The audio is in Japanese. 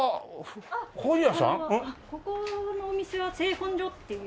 ここのお店は製本所っていう。